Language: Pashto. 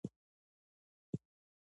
د هغه نوم مې زیات اوریدلی